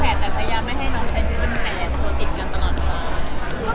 เป็นแผนแต่พยายามไม่ให้น้องใช้ชื่อเป็นแผนตัวติดกันตลอดมาก